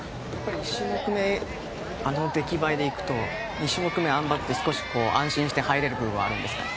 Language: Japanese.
１種目目あの出来栄えで行くと２種目目のあん馬って少し安心して入れる部分はあるんですかね。